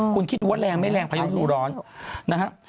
คุณคิดดูว่าแรงไม่แรงพายุดูร้อนนะครับ